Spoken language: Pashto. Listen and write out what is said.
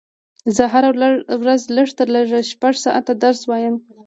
زه هره ورځ لږ تر لږه شپږ ساعته درس وایم